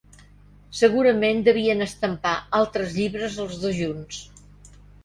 Segurament devien estampar altres llibres els dos junts.